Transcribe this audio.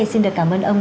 xin được cảm ơn ông